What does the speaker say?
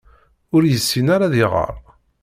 Ur yessin ara ad iɣeṛ.